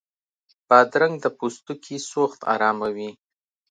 بادرنګ د پوستکي سوخت اراموي.